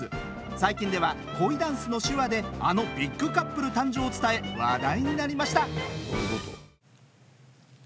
最近では恋ダンスの手話であのビッグカップル誕生を伝え話題になりました。